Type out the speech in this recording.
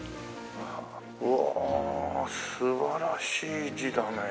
うわあ素晴らしい字だねえ。